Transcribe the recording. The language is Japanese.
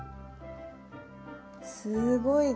すごい柄。